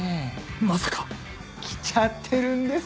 まさか！来ちゃってるんです